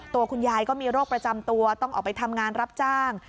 ตัวคุณยายก็มีโรคประจำตัวต้องออกไปทำงานรับจ้าง